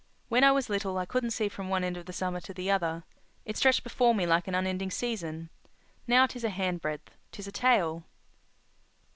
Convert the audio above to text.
When I was little I couldn't see from one end of the summer to the other. It stretched before me like an unending season. Now, ''tis a handbreadth, 'tis a tale.